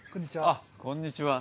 あっこんにちは。